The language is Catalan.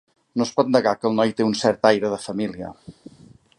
No es pot negar que el noi té un cert aire de família.